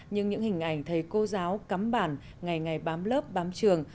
nhưng những hình ảnh thầy cô giáo cắm bản ngày ngày bám lớp bám trường